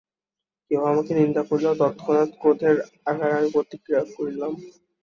কেহ আমার নিন্দা করিল, তৎক্ষণাৎ ক্রোধের আকারে আমি প্রতিক্রিয়া করিলাম।